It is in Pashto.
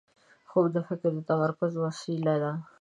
خوب د فکر د تمرکز وسیله ده